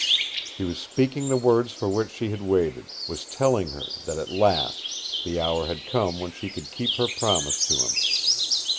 He was speaking the words for which she had waited, was telling her that at last the hour had come when she could keep her promise to him.